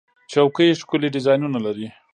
چوکۍ ښکلي ډیزاینونه لري.